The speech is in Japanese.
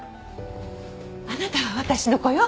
あなたは私の子よ。